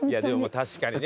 確かにね